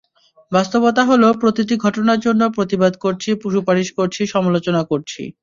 বাস্তবতা হলো, প্রতিটি ঘটনার জন্য প্রতিবাদ করছি, সুপারিশ করেছি, সমালোচনা করছি।